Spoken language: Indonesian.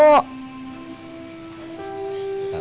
aku nggak pernah punya ibu